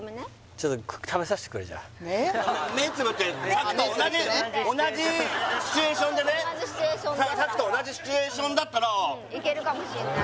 ちょっと目つぶってさっきと同じああ目つぶってね同じシチュエーションでねさっきと同じシチュエーションだったらいけるかもしれない